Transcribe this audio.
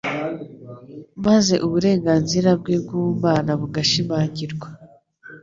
maze uburenganzira bwe bw'ubumana bugashimangirwa